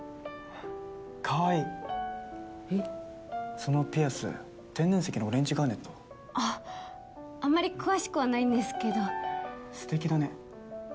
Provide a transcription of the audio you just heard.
そのピアス天然石のオレンジガーネット？あっあんまり詳しくはないんですけどすてきだね